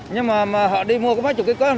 nhưng mà họ đi mua có bao nhiêu cái có không